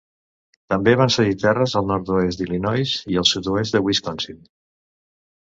També van cedir terres al nord-oest d'Illinois i el sud-oest de Wisconsin.